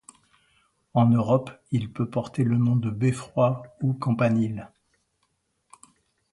En Europe il peut porter le nom de Beffroi ou Campanile.